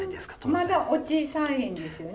まだお小さいんですよね？